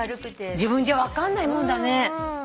自分じゃ分かんないもんだね。